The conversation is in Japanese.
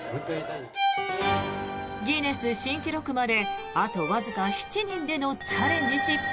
ギネス新記録まであとわずか７人でのチャレンジ失敗。